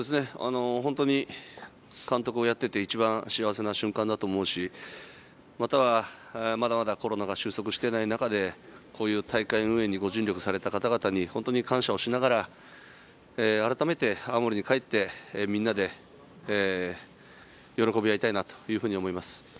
本当に監督をやっていて一番幸せな瞬間だと思うし、まだまだコロナ禍が収束していない中でこういう大会運営にご尽力された方々に感謝をしながら、あらためて青森に帰って、みんなで喜び合いたいなというふうに思